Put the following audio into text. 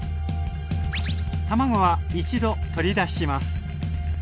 卵は一度取り出します。